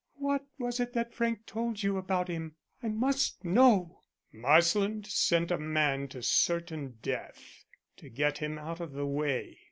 "What was it that Frank told you about him? I must know." "Marsland sent a man to certain death to get him out of the way.